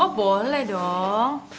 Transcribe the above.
oh boleh dong